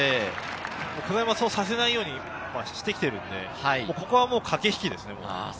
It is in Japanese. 久我山はそうさせないようにしてきてるので、ここはもう駆け引きですね。